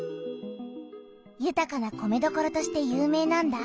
ゆたかな米どころとして有名なんだ。